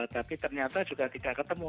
tapi ternyata juga tidak ketemu